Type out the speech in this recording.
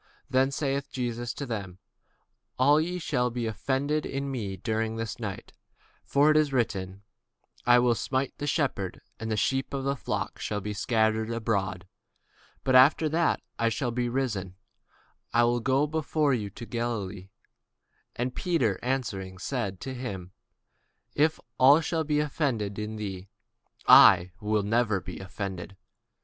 Then saith Jesus unto them, All ye shall be offended because of me this night: for it is written, I will smite the shepherd, and the sheep of the flock shall be scattered abroad. But after I am risen again, I will go before you into Galilee. Peter answered and said unto him, Though all men shall be offended because of thee, yet will I never be offended.